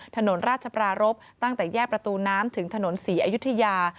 ถนนราชปรารบตั้งแต่แยกประตูน้ำถึงถนนศรีอยุธยา